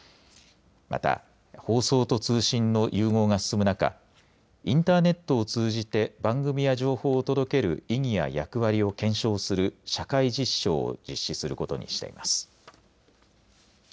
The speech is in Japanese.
また放送と通信の融合が進む中インターネットを通じて番組や情報を届ける意義や役割を検証する社会実証を実施することにしています。